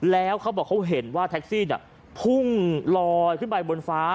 แล้วเขาบอกเขาเห็นว่าแท็กซี่พุ่งลอยขึ้นไปบนฟ้า